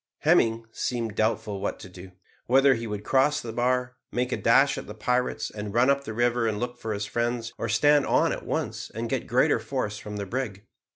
Hemming seemed doubtful what to do; whether he would across the bar, make a dash at the pirates, and run up the river and look for his friends, or stand on at once and get greater force from the brig.